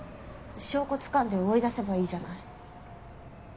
証拠つかんで追い出せばいいじゃない。